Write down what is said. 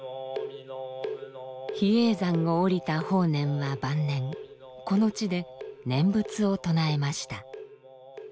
比叡山を下りた法然は晩年この地で念仏を唱えました。